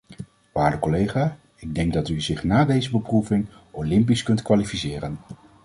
Waarde collega, ik denk dat u zich na deze beproeving olympisch kunt kwalificeren.